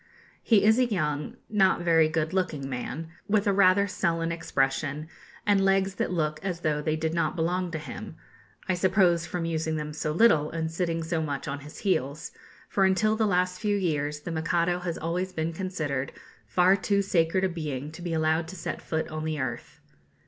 He is a young, not very good looking man, with rather a sullen expression, and legs that look as though they did not belong to him I suppose from using them so little, and sitting so much on his heels; for until the last few years the Mikado has always been considered far too sacred a being to be allowed to set foot on the earth.